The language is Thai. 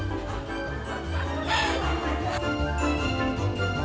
ชิเลนก่อนชิเลน